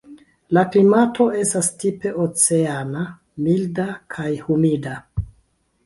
La klimato estas tipe oceana, milda kaj humida.